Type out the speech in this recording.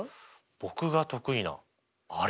僕が得意なあれ？